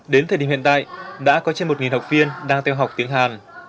đến thời điểm hiện tại đã có trên một học viên đang theo học tiếng hàn